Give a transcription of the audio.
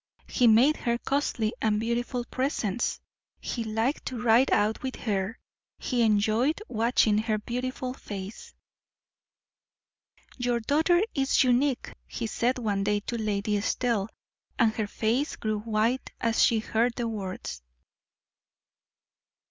He made her costly and beautiful presents; he liked to ride out with her; he enjoyed watching her beautiful face. "Your daughter is unique," he said one day to Lady Estelle, and her face grew white as she heard the words.